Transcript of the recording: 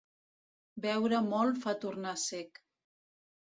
Beure molt fa tornar sec.